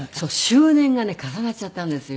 周年がね重なっちゃったんですよ